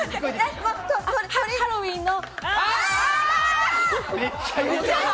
ハロウィーンの。